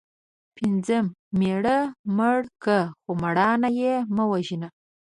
پنځم:مېړه مړ که خو مړانه یې مه وژنه